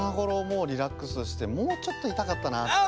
もうリラックスしてもうちょっといたかったなって。